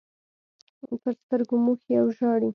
پر سترګو موښي او ژاړي.